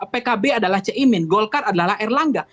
pkb adalah ceimin golkar adalah erlangga